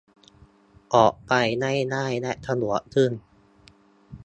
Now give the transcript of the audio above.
ออกไปได้ง่ายและสะดวกขึ้น